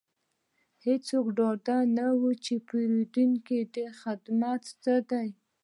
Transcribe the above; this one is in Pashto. هیڅوک ډاډه نه وو چې د پیرودونکو خدمت څه دی